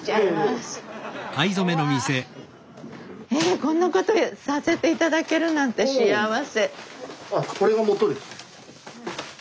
こんなことさせて頂けるなんて幸せ。